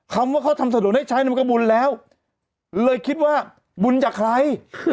คำว่าเขาทำสะดวกได้ใช้นมกระบุลแล้วเลยคิดว่าบุญจากใคร